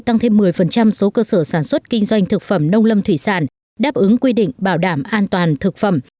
tăng thêm một mươi số cơ sở sản xuất kinh doanh thực phẩm nông lâm thủy sản đáp ứng quy định bảo đảm an toàn thực phẩm